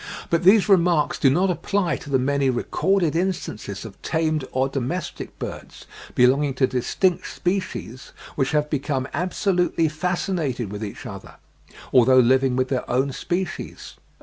But these remarks do not apply to the many recorded instances of tamed or domestic birds, belonging to distinct species, which have become absolutely fascinated with each other, although living with their own species.